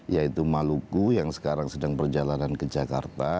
yaitu maluku yang sekarang sedang perjalanan ke jakarta